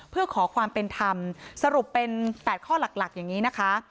เพื่อขอความเป็นธรรมสรุปเป็น๘ข้อหลักอย่างนี้นะคะ